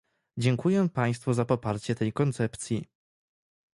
Dziękuję państwu za poparcie tej koncepcji